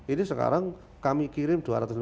ini sekarang kami kirim dua ratus lima puluh